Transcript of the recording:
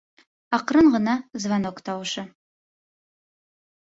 Аҡрын ғына звонок тауышы.